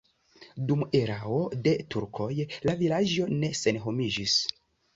Dum erao de turkoj la vilaĝo ne senhomiĝis.